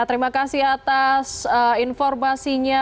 terima kasih atas informasinya